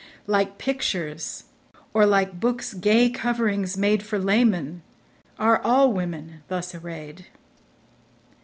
Like pictures, or like books' gay coverings made For laymen, are all women thus array'd.